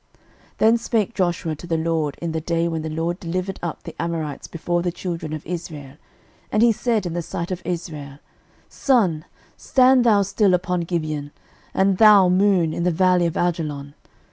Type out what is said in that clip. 06:010:012 Then spake Joshua to the LORD in the day when the LORD delivered up the Amorites before the children of Israel, and he said in the sight of Israel, Sun, stand thou still upon Gibeon; and thou, Moon, in the valley of Ajalon.